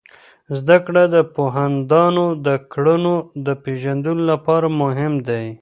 زده کړه د پوهاندانو د کړنو د پیژندلو لپاره مهم دی.